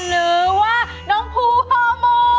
หรือว่าน้องภูฮอร์โม